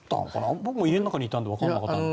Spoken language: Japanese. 僕も家の中にいたからわからなかった。